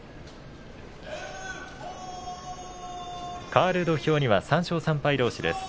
かわる土俵には３勝３敗どうしです。